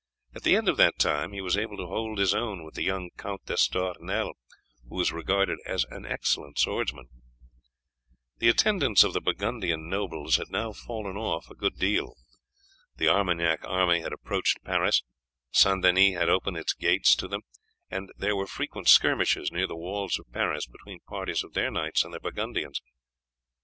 At the end of that time he was able to hold his own with the young Count d'Estournel, who was regarded as an excellent swordsman. The attendance of the Burgundian nobles had now fallen off a good deal. The Armagnac army had approached Paris, St. Denis had opened its gates to them, and there were frequent skirmishes near the walls of Paris between parties of their knights and the Burgundians.